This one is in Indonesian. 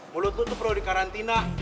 mulut lo tuh perlu di karantina